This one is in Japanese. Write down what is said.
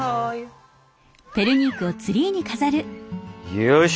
よし！